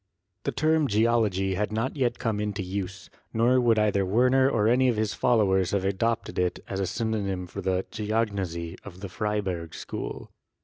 The term geology had not yet come into use, nor would either Werner or any of his followers have adopted it as a synonym for the "geognosy" of the Freiberg school.